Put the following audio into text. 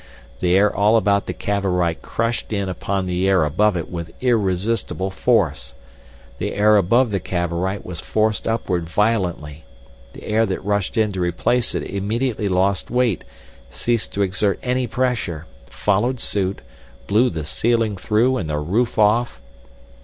The air all about the Cavorite crushed in upon the air above it with irresistible force. The air above the Cavorite was forced upward violently, the air that rushed in to replace it immediately lost weight, ceased to exert any pressure, followed suit, blew the ceiling through and the roof off....